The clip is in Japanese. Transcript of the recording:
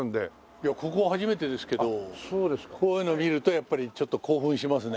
いやここは初めてですけどこういうのを見るとやっぱりちょっと興奮しますね。